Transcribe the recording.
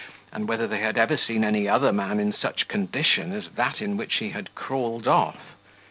and whether they had ever seen any other man in such condition as that in which he had crawled off.